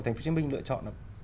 thành phố hồ chí minh lựa chọn